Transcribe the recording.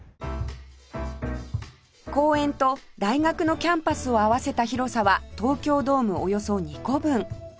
公園と大学のキャンパスを合わせた広さは東京ドームおよそ２個分